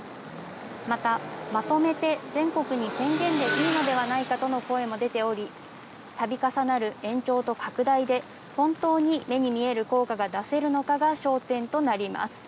また、まとめて全国に宣言でいいのではないかとの声も出ており、度重なる延長と拡大で本当に目に見える効果が出せるのかが焦点となります。